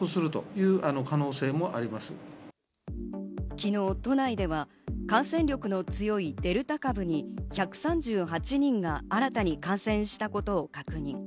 昨日、都内では感染力の強いデルタ株に１３８人が新たに感染したことを確認。